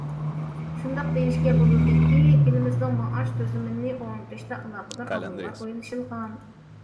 شۇنداق دېيىشكە بولىدۇكى، ئېلىمىزنىڭ مائاش تۈزۈمىنى ئورنىتىشتا، ئالاقىدار ئامىللار ئويلىشىلغان.